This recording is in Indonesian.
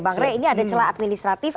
bang rey ini ada celah administratif